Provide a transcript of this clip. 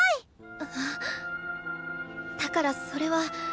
あだからそれは。